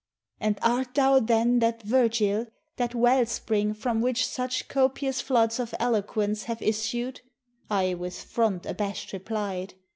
"And art thou then that Virgil, that well spring, From which such copious floods of eloquence Have issued?" I with front abash'd replied.